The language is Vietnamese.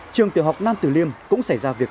trường tiểu học nam tử liêm cũng xảy ra việc